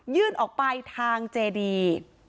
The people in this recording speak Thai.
ยื่นออกไปทางเจดี